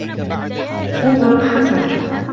اُنْظُرْ حَسَنًا